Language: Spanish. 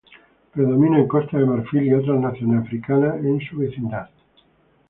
Predomina en Costa de Marfil y otras naciones africanas en su vecindad.